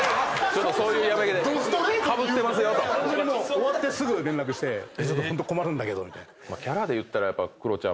終わってすぐ連絡してホント困るんだけどみたいな。